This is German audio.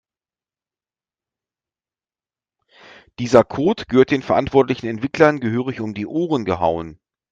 Dieser Code gehört den verantwortlichen Entwicklern gehörig um die Ohren gehauen.